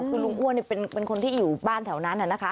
คือลุงอ้วนเป็นคนที่อยู่บ้านแถวนั้นนะคะ